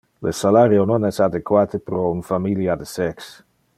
Le salario non es adequate pro un familia de sex.